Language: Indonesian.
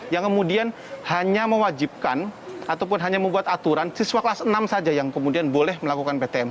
yang kemudian hanya mewajibkan ataupun hanya membuat aturan siswa kelas enam saja yang kemudian boleh melakukan ptm